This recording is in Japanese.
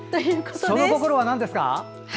その心はなんですか？